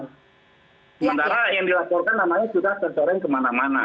sementara yang dilaporkan namanya sudah tercoreng kemana mana